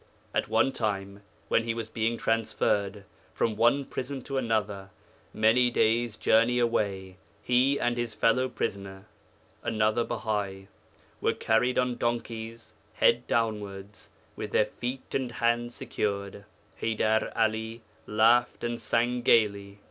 At one time, when he was being transferred from one prison to another, many days' journey away, he and his fellow prisoner, another Bahai, were carried on donkeys, head downwards, with their feet and hands secured. Haydar 'Ali laughed and sang gaily.